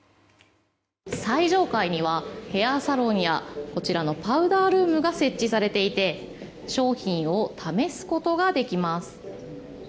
最上階にはヘアサロンやパウダールームが設置されていて商品を試すことができます。